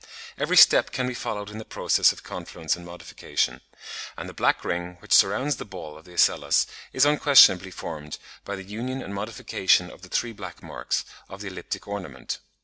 Every step can be followed in the process of confluence and modification; and the black ring which surrounds the ball of the ocellus is unquestionably formed by the union and modification of the three black marks, b, c, d, of the elliptic ornament.